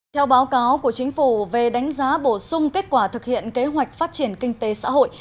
theo báo cáo của chính phủ về đánh giá bổ sung kết quả thực hiện kế hoạch phát triển kinh tế xã hội